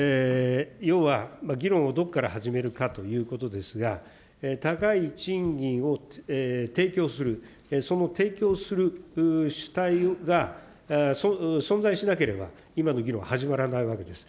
要は、議論をどこから始めるかということですが、高い賃金を提供する、その提供する主体が存在しなければ、今の議論は始まらないわけです。